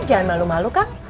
jangan malu malu kang